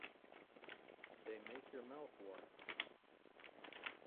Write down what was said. They make your mouth water.